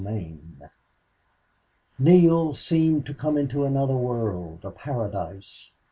18 Neale seemed to come into another world a paradise.